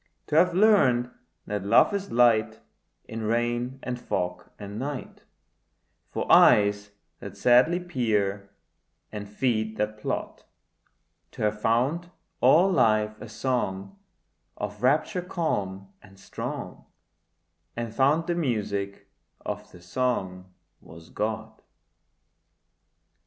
To have learnt that love is light In rain and fog and night, For eyes that sadly peer and feet that plod: To have found all life a song Of rapture calm and strong, And found the music of the song was God.